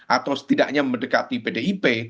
atau setidaknya mendekati pdip